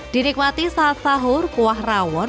dinikmati saat sahur kuah rawon